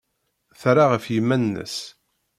Terra ɣef yiman-nnes.